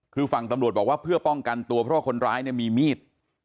คือฝั่งตำรวจบอกว่าเพื่อป้องกันตัวเพราะว่าคนร้ายเนี่ยมีมีด